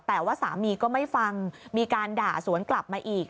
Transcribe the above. แต่ว่าสามีก็ไม่ฟังมีการด่าสวนกลับมาอีก